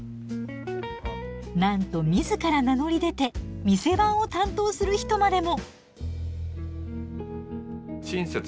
なんと自ら名乗り出て店番を担当する人までも！